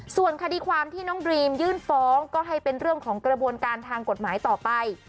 ส่วนคดีความที่น้องดรีมยื่นฟ้องก็ให้เป็นเรื่องของกระบวนการทางกฎหมายต่อไป